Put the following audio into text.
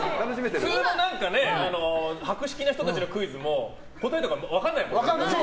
博識な人たちのクイズは答えとか分かんないもんね。